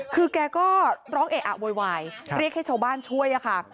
คือแกก็ร้องเอะอะโวยวายเรียกให้ชาวบ้านช่วยค่ะ